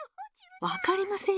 わかりませんよ。